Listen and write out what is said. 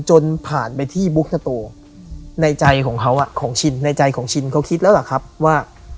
จนผ่านไปที่บุคตะโตในใจของเขาอะของชินเค้าคิดแล้วล่ะครับว่า